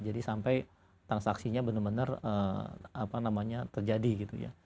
jadi sampai transaksinya benar benar terjadi gitu ya